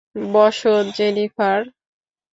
বসো, জেনিফার।